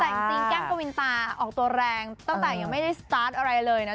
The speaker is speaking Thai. แต่จริงแก้มกวินตาออกตัวแรงตั้งแต่ยังไม่ได้สตาร์ทอะไรเลยนะ